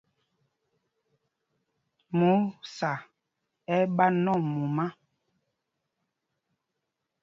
Músa ɛ́ ɛ́ ɓá nɔm mumá.